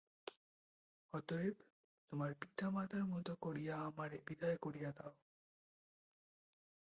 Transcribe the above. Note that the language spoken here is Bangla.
অতএব তোমার পিতা মাতার মত করিয়া আমারে বিদায় করিয়া দাও।